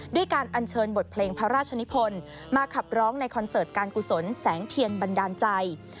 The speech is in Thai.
ด้วยการอัญเชิญบทเพลงพระราชนิพลมาขับร้องในคอนเสิร์ตการกุศลแสงเทียนบันดาลใจ